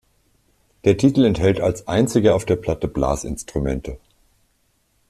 Der Titel enthält als einziger auf der Platte Blasinstrumente.